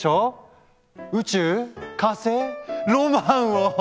宇宙火星ロマンを！